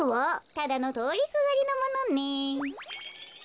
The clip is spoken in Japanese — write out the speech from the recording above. ただのとおりすがりのものね。